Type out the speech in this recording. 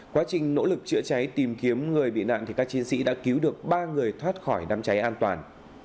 quá trình nỗ lực chữa cháy tìm kiếm người bị nạn các chiến sĩ đã cứu được ba người thoát khỏi đám cháy an toàn